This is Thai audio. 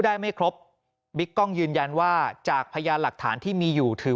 ได้ไม่ครบบิ๊กกล้องยืนยันว่าจากพยานหลักฐานที่มีอยู่ถือ